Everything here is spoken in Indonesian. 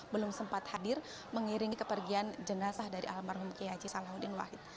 belum sempat hadir mengiringi kepergian jenazah dari almarhum g h salahuddin woyt